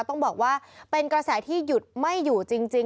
ต้องบอกว่าเป็นกระแสที่หยุดไม่อยู่จริง